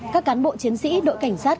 các cán bộ chiến sĩ đội cảnh sát